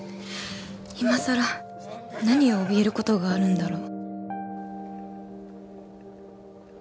今更何を怯えることがあるんだろう